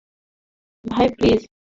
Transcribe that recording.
ভাই, প্লিজ।